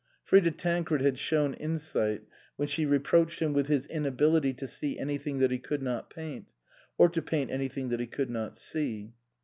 Frida Tancred had shown insight when she reproached him with his inability to see anything that he could not paint, or to paint anything that he could not see.